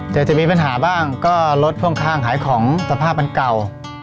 จะมีปัญหาบ้างก็รถพ่วงข้างขายของสภาพมันเก่า